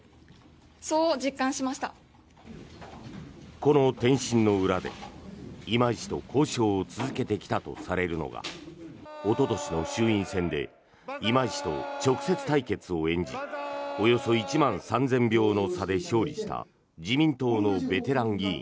この転身の裏で今井氏と交渉を続けてきたとされるのがおととしの衆院選で今井氏と直接対決を演じおよそ１万３０００票の差で勝利した自民党のベテラン議員